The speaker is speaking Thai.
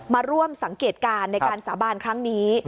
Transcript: มาร่วมสังเกตการณ์ในการสาบานครั้งนี้